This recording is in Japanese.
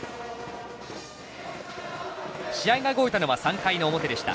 試合が動いたのは３回の表でした。